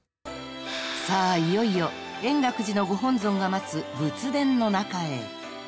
［さあいよいよ円覚寺のご本尊が待つ仏殿の中へ］